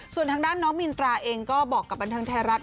ส่วนทางด้านน้องมินตราเองก็บอกกับบันเทิงไทยรัฐ